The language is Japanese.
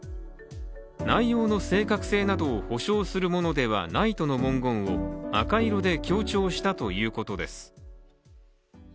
内容の正確性などを保証するものではないとの文言を赤色で強調したということです。